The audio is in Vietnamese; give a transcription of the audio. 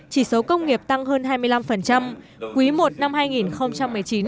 chỉ số công nghiệp tăng hơn hai mươi năm quý i năm hai nghìn một mươi chín